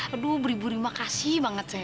aduh beribu ribu makasih banget sayang